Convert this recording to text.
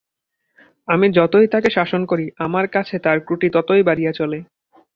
আমি যতই তাকে শাসন করি আমার কাছে তার ত্রুটি ততই বাড়িয়া চলে।